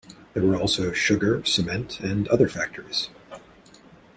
There were also sugar, cement and other factories.